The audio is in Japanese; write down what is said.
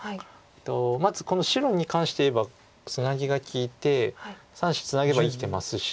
まずこの白に関していえばツナギが利いて３子ツナげば生きてますし。